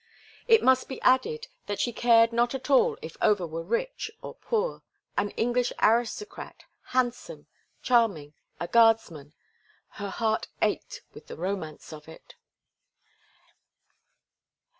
It must be added that she cared not at all if Over were rich or poor. An English aristocrat, handsome, charming, a guardsman—her heart ached with the romance of it.